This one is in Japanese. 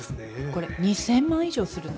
これ２，０００万以上するの。